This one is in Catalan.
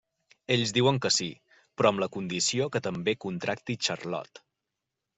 Ells diuen que sí, però amb la condició que també contracti Charlot.